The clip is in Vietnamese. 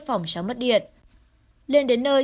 phòng trắng mất điện lên đến nơi